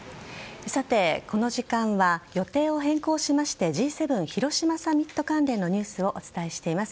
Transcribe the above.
この時間は予定を変更しましてＧ７広島サミット関連のニュースをお伝えしています。